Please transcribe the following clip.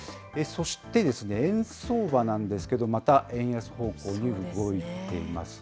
そして、円相場なんですけど、また円安方向に動いています。